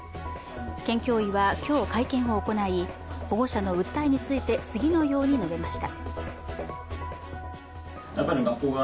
県教委は今日会見を行い、保護者の訴えについて次のように述べました。